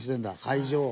会場。